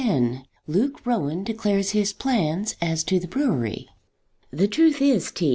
LUKE ROWAN DECLARES HIS PLANS AS TO THE BREWERY. "The truth is, T.